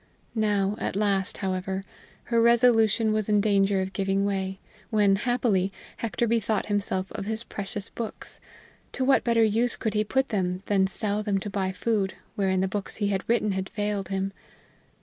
Now, at last, however, her resolution was in danger of giving way, when, happily, Hector bethought himself of his precious books; to what better use could he put them than sell them to buy food wherein the books he had written had failed him?